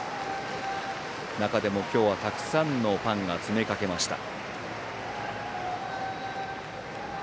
中でも今日はたくさんのファンが詰めかけました。